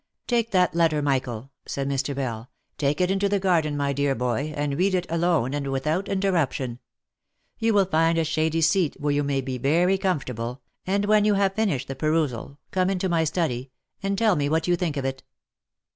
" Take that letter, Michael," said Mr. Bell ;" take it into the gar den, my dear boy, and read it alone, and without interruption. You will find a shady seat where you may be very comfortable, and when you have finished the perusal come into my study, and tell me what you think of it."